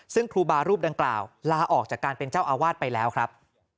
ซึ่งครูบารูปดังกล่าวลาออกจากการเป็นเจ้าอาวาสไปแล้วครับ